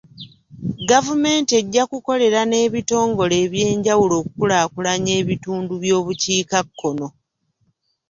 Gavumenti ejja kukolera n'ebitongole eby'enjawulo okukulaakulanya ebitundu by'obukiikakkono.